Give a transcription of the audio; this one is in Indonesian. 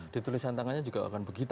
di tulisan tangannya juga akan begitu